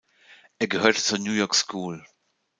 Er gehörte zur New York School.